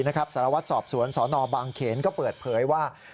สารวัตรสอบสวนสนบางเขนก็เปิดเผยว่า